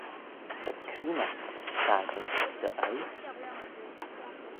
Ta creenaght fakin ayns dty oaie?